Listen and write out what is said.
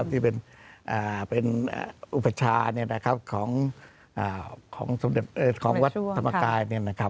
ที่เป็นอุปชาของวัดธรรมกาย